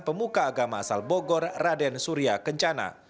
pemuka agama asal bogor raden surya kencana